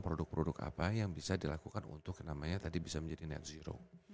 produk produk apa yang bisa dilakukan untuk yang namanya tadi bisa menjadi net zero